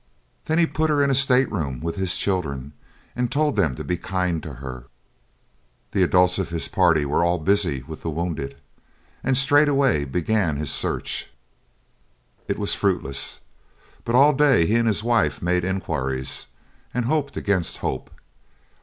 Then he put her in a state room with his children and told them to be kind to her (the adults of his party were all busy with the wounded) and straightway began his search. It was fruitless. But all day he and his wife made inquiries, and hoped against hope.